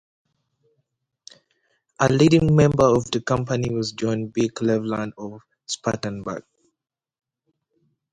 A leading member of the company was John B. Cleveland of Spartanburg.